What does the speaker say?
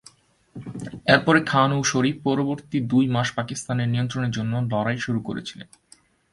এরপরে খান এবং শরীফ পরবর্তী দুই মাস পাকিস্তানের নিয়ন্ত্রণের জন্য লড়াই শুরু করেছিলেন।